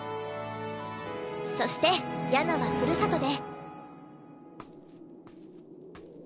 そしてヤナはふるさとで